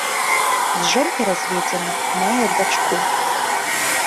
З жонкай разведзены, мае дачку.